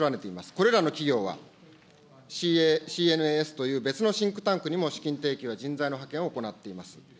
これらの企業は、ＣＮＡＳという別のシンクタンクにも資金提供や人材の派遣を行っています。